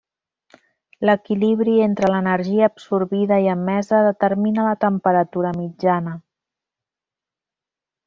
L'equilibri entre l'energia absorbida i emesa determina la temperatura mitjana.